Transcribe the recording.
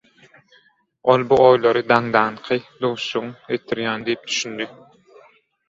Ol bu oýlary daňdanky duşuşygyň etdirýäni diýip düşündi.